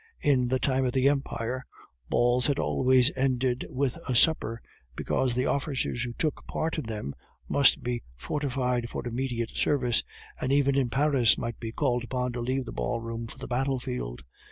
In the time of the Empire, balls had always ended with a supper, because the officers who took part in them must be fortified for immediate service, and even in Paris might be called upon to leave the ballroom for the battlefield.